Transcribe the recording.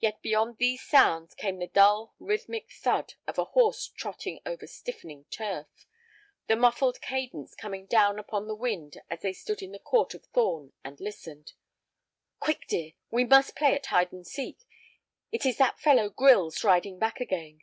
Yet beyond these sounds came the dull, rhythmic thud of a horse trotting over stiffening turf, the muffled cadence coming down upon the wind as they stood in the court of Thorn and listened. "Quick, dear, we must play at hide and seek. It is that fellow Grylls riding back again."